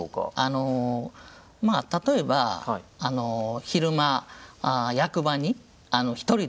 あのまあ例えば昼間役場に一人でいる子ども。